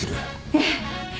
ええ。